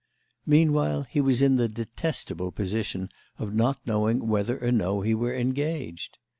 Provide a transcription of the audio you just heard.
Meanwhile he was in the detestable position of not knowing whether or no he were engaged.